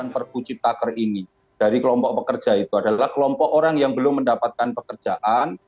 perpu ciptaker ini dari kelompok pekerja itu adalah kelompok orang yang belum mendapatkan pekerjaan